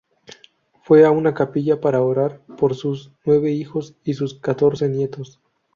Fue a una capilla para orar por sus nueve hijos y sus catorce nietos.